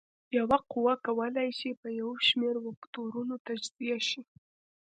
یوه قوه کولی شي په یو شمېر وکتورونو تجزیه شي.